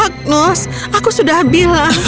agnus aku sudah bilang